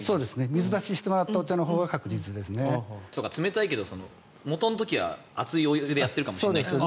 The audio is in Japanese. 水出ししてもらったお茶のほうが冷たいけどもとの時は熱いお湯でやってるかもしれないから。